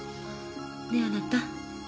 ねぇあなた？